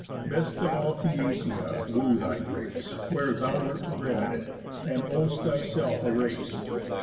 The best of all Phæacia woo thy grace, Where thou wert bred, and ow'st thyself a race.